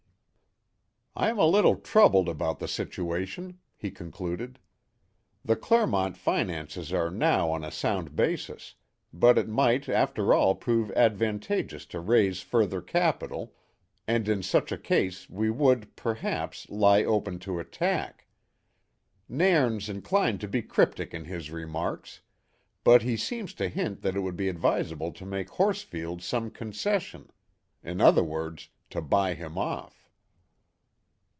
"I'm a little troubled about the situation," he concluded. "The Clermont finances are now on a sound basis, but it might after all prove advantageous to raise further capital, and in such a case we would, perhaps, lie open to attack. Nairn's inclined to be cryptic in his remarks; but he seems to hint that it would be advisable to make Horsfield some concession in other words, to buy him off."